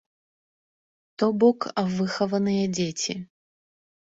То бок, выхаваныя дзеці.